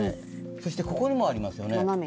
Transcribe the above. そしてここにもありますよね。